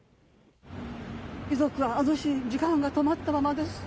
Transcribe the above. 遺族はあの日、時間が止まったままです。